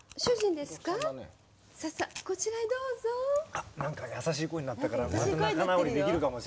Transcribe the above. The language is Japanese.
あっ何か優しい声になったから仲直りできるかもしれないよ。